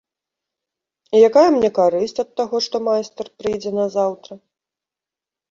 І якая мне карысць ад таго, што майстар прыйдзе назаўтра?